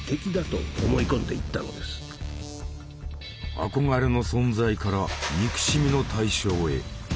憧れの存在から憎しみの対象へ。